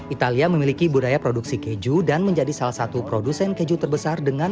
italia memiliki budaya produksi keju dan menjadi salah satu produsen keju terbesar dengan